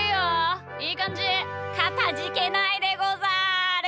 かたじけないでござる！